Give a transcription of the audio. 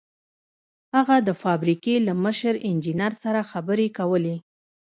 هغه د فابريکې له مشر انجنير سره خبرې کولې.